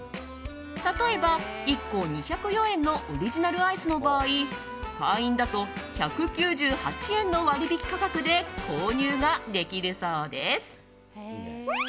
例えば、１個２０４円のオリジナルアイスの場合会員だと１９８円の割引価格で購入ができるそうです。